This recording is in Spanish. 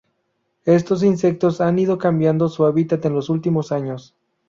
Estos insectos han ido cambiando su hábitat en los últimos años.